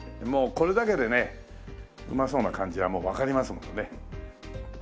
もうこれだけでねうまそうな感じはもうわかりますもんね。